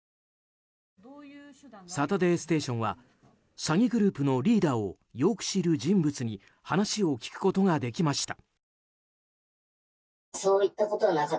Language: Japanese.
「サタデーステーション」は詐欺グループのリーダーをよく知る人物に話を聞くことができました。